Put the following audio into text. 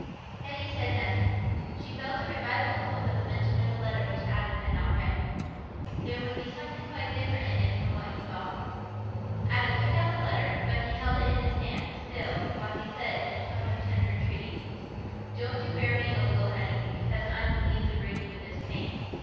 Hetty said nothing; she felt a revival of hope at the mention of a letter which Adam had not read. There would be something quite different in it from what he thought. Adam took out the letter, but he held it in his hand still, while he said, in a tone of tender entreaty, "Don't you bear me ill will, Hetty, because I'm the means o' bringing you this pain.